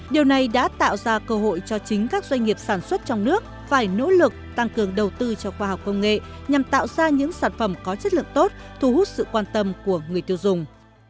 điều này đã tạo ra cơ hội cho chính các doanh nghiệp sản xuất trong nước phải nỗ lực tăng cường đầu tư cho khoa học công nghệ nhằm tạo ra những sản phẩm có chất lượng tốt thu hút sự quan tâm của người tiêu dùng